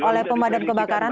oke oleh pemadam kebakaran